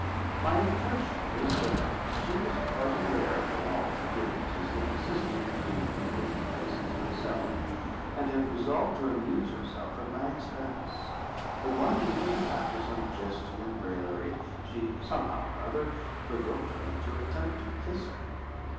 My impression is, that she was quite aware of the law of appearances that existed between the people of the place and myself, and had resolved to amuse herself at my expense; for one evening, after some jesting and raillery, she, somehow or other, provoked me to attempt to kiss her.